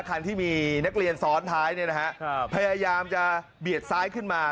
คันที่มีนักเรียนซ้อนท้ายพยายามจะเบียดซ้ายขึ้นมา